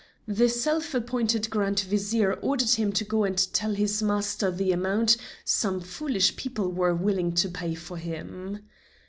The self appointed Grand Vizier ordered him to go and tell his master the amount some foolish people were willing to pay for him.